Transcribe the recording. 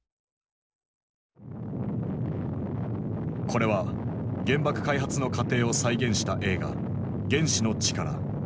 これは原爆開発の過程を再現した映画「原子の力」。